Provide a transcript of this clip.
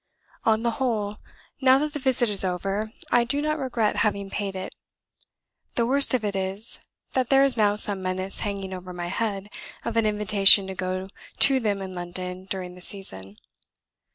On the whole, now that the visit is over, I do not regret having paid it. The worst of it is, that there is now some menace hanging over my head of an invitation to go to them in London during the season.